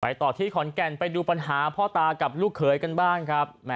ต่อที่ขอนแก่นไปดูปัญหาพ่อตากับลูกเขยกันบ้างครับ